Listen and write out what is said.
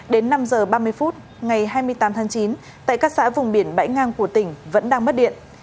đến năm h ba mươi phút ngày hai mươi tám tháng chín tại các xã vùng biển bãi ngang của tỉnh vẫn đang mất điện